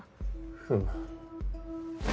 ふむ。